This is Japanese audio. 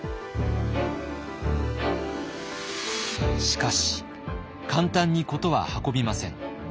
しかし簡単に事は運びません。